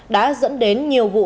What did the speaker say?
đã dẫn đến nhiều vụ